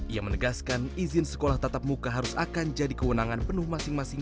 ia menegaskan izin sekolah tatap muka harus akan jadi kewenangan penuh masing masing